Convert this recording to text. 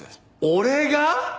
俺が？